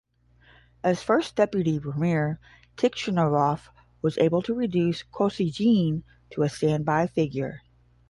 As First Deputy Premier, Tikhonov was able to reduce Kosygin to a standby figure.